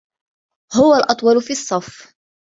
هو الأطول في الصف.